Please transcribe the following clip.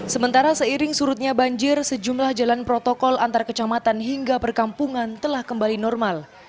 sementara seiring surutnya banjir sejumlah jalan protokol antar kecamatan hingga perkampungan telah kembali normal